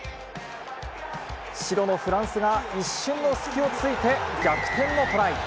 白のフランスが一瞬の隙をついて、逆転のトライ。